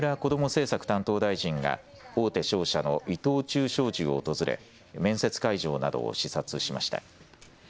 政策担当大臣が大手商社の伊藤忠商事を訪れ面接会場などを視察しました。